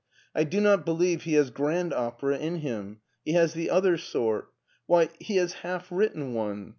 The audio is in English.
I do not believe he has grand opera in him. He has the other sort. Why, he has half written one.